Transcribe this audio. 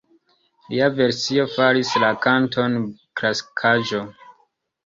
Lia versio faris la kanton klasikaĵo.